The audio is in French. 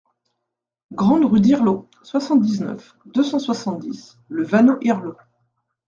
Grande Rue d'Irleau, soixante-dix-neuf, deux cent soixante-dix Le Vanneau-Irleau